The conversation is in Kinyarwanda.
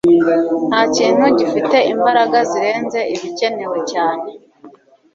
nta kintu gifite imbaraga zirenze ibikenewe cyane